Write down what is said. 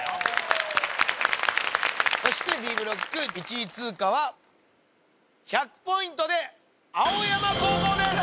そしてＢブロック１位通過は１００ポイントで青山高校です！